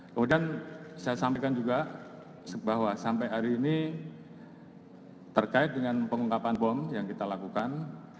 kemudian saya sampaikan juga bahwa sampai hari ini terkait dengan pengungkapan bom yang kita lakukan